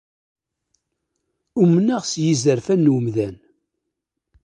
Umne? s yizerfan n umdan.